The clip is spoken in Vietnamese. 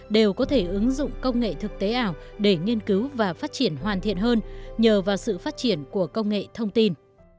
đều có thể ứng dụng công nghệ thực tế ảo để nghiên cứu và phát triển hoàn thiện hơn nhờ vào sự phát triển của công nghệ thông tin